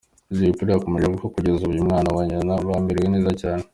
Jay Polly yakomeje avuga ko kugeza ubu umwana na nyina bamerewe neza cyane.